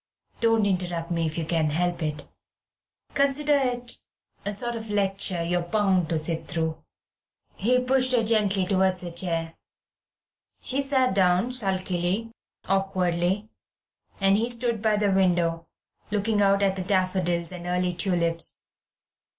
Don't interrupt me if you can help it. Consider it a sort of lecture you're bound to sit through." He pushed her gently towards a chair. She sat down sulkily, awkwardly, and he stood by the window, looking out at the daffodils and early tulips.